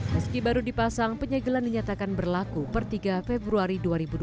meski baru dipasang penyegelan dinyatakan berlaku per tiga februari dua ribu dua puluh